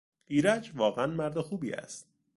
ایرج واقعا مردخوبی است.